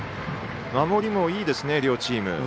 守りもいいですね、両チーム。